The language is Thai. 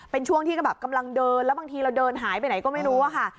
เป็นช่วงที่แบบกำลังเดินแล้วบางทีเราเดินหายไปไหนก็ไม่รู้อะค่ะ